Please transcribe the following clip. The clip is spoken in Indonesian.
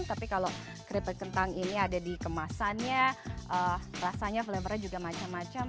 tapi kalau keripik kentang ini ada di kemasannya rasanya flavornya juga macam macam